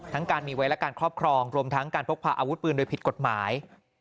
การมีไว้และการครอบครองรวมทั้งการพกพาอาวุธปืนโดยผิดกฎหมาย